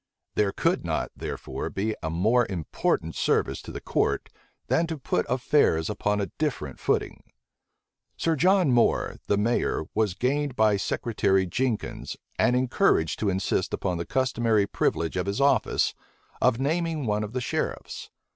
There could not, therefore, be a more important service to the court than to put affairs upon a different footing. Sir John Moore, the mayor, was gained by Secretary Jenkins, and encouraged to insist upon the customary privilege of his office, of naming one of the sheriffs.